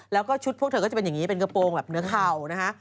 แล้วก็ชุดพวกเธอก็จะเป็นอย่างนี้เป็นกระโปรงแบบเนื้อเข่านะคะ